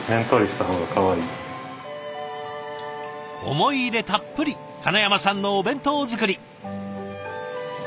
思い入れたっぷり金山さんのお弁当作り。